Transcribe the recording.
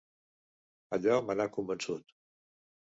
Allò me n'ha convençut.